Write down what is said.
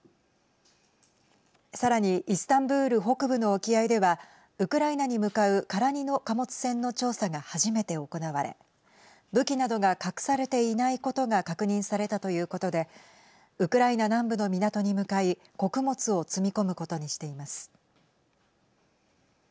さらにイスタンブール北部の沖合ではウクライナに向かう空荷の貨物船の調査が初めて行われ武器などが隠されていないことが確認されたということでウクライナ南部の港に向かい穀物を積み込むことにしています。